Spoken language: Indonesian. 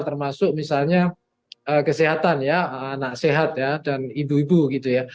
termasuk misalnya kesehatan ya anak sehat ya dan ibu ibu gitu ya